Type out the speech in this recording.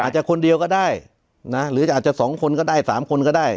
อาจจะคนเดียวก็ได้นะหรืออาจจะ๒คนก็ได้๓คนก็ได้